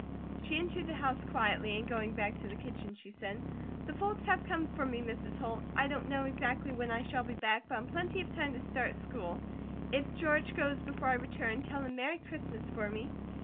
She entered the house quietly and going back to the kitchen she said: "The folks have come for me, Mrs. Holt. I don't know exactly when I shall be back, but in plenty of time to start school. If George goes before I return, tell him 'Merry Christmas,' for me."